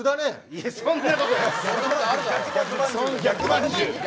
いやそんなことないっすよ。